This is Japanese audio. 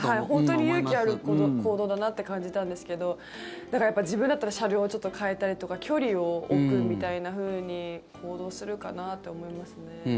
本当に勇気ある行動だなって感じたんですけどだからやっぱり自分だったら車両をちょっと変えたりとか距離を置くみたいなふうに行動するかなって思いますね。